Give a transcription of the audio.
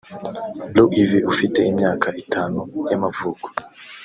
Blue Ivy ufite imyaka itanu y’amavuko